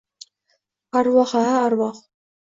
—Arvoh-a, arvoh.